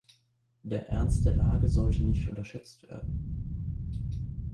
Der Ernst der Lage sollte nicht unterschätzt werden.